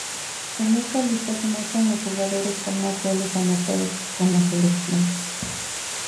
En esta lista se muestran los jugadores con más goles anotados con la selección.